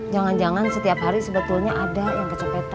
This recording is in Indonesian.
jangan jangan setiap hari sebetulnya ada yang kecepet